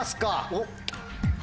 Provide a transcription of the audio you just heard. おっ。